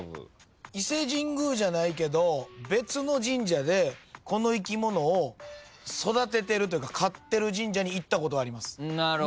伊勢神宮じゃないけど別の神社でこの生き物を育ててるというか飼ってる神社に行ったことあります。